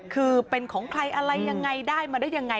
คือเป็นของใครอะไรยังไงได้มาได้ยังไง